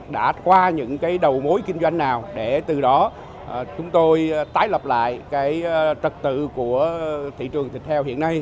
đã qua những cái đầu mối kinh doanh nào để từ đó chúng tôi tái lập lại cái trật tự của thị trường thịt heo hiện nay